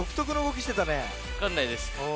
わかんないです。